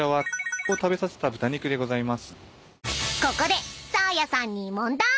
［ここでサーヤさんに］